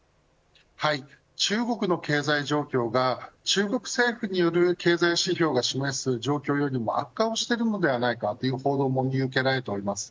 中国の経済状況が中国政府による経済指標が示す状況よりも悪化をしているのではないかという報道も見受けられると思います。